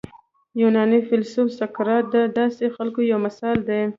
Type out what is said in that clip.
یوناني فیلسوف سقراط د داسې خلکو یو مثال دی.